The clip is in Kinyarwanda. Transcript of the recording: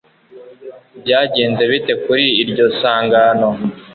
Byagenze bite kuri iryo sangano